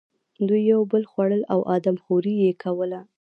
دوی یو بل خوړل او آدم خوري یې کوله.